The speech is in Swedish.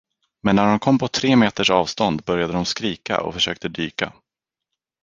Men när de kom på tre meters avstånd började de skrika och försökte dyka.